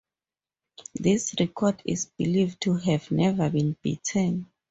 This record is believed to have never been beaten.